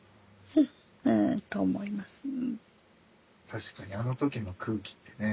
確かにあの時の空気ってね。